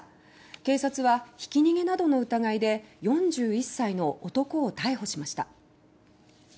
警察はひき逃げなどの疑いで４１歳の男を逮捕しました。